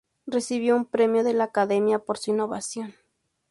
Recibió un Premio de la Academia por su innovación.